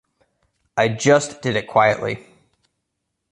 I just did it quietly.